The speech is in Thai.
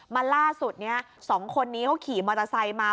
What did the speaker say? มาล่าสุดนี้๒คนนี้เขาขี่มอเตอร์ไซค์มา